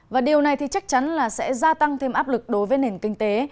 và điều này chắc chắn sẽ gia tăng thêm áp lực đối với nền kinh tế